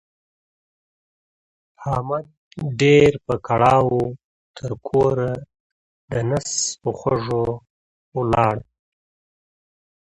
احمد ډېر په کړاو وو؛ تر کوره د نس په خوږو ولاړ.